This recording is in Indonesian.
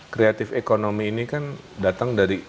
creative economy ini kan datang dari